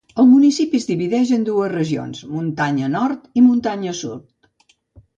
El municipi es divideix en dues regions: Muntanya Nord i Muntanya Sud.